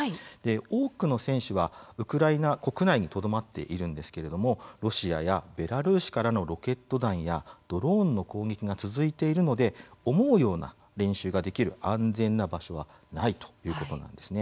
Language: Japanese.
多くの選手はウクライナ国内にとどまっているんですがロシアやベラルーシからのロケット弾やドローンの攻撃が続いているので思うような練習ができる安全な場所はないということ。